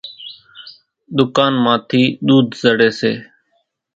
ۮُڪانَ مان ٿِي ۮوڌ زڙيَ سي۔